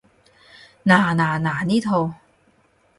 嗱嗱嗱，呢套